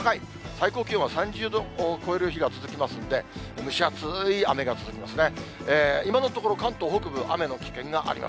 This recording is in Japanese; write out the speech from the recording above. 最高気温は３０度を超える日が続きますんで、蒸し暑い雨が続きますね。